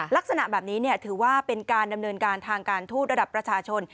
ลักษณะแบบนี้ถือว่าเป็นการดำเนินการทางการทูตระดับประชาชน